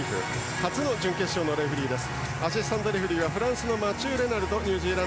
初の準決勝のレフリーです。